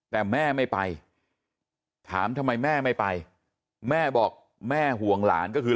แต่แม่ไม่ไปถามทำไมแม่ไม่ไปแม่บอกแม่ห่วงหลานก็คือ